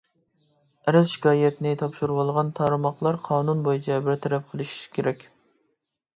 ئەرز-شىكايەتنى تاپشۇرۇۋالغان تارماقلار قانۇن بويىچە بىر تەرەپ قىلىشى كېرەك.